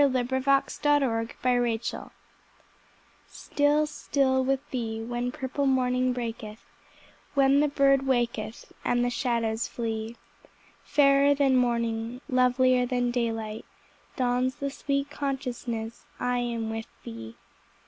Y Z Still, Still with Thee STILL, still with Thee, when purple morning breaketh, When the bird waketh and the shadows flee; Fairer than morning, lovilier than daylight, Dawns the sweet consciousness I am with Thee.